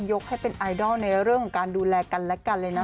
ยกให้เป็นไอดอลในเรื่องของการดูแลกันและกันเลยนะ